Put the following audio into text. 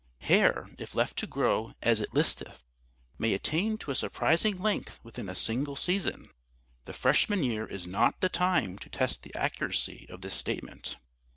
Hair, if left to grow as it listeth, may attain to a surprising length within a single season. The Freshman year is not the time to test the accuracy of this statement.